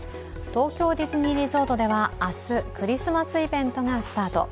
東京ディズニーリゾートでは明日クリスマスイベントがスタート。